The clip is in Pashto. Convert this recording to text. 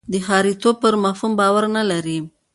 د ښاریتوب پر مفهوم باور نه لري.